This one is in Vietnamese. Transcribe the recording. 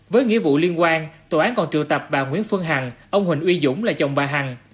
với nghĩa vụ liên quan tòa án còn trự tập bà nguyễn phương hằng ông huỳnh uy dũng là chồng bà hằng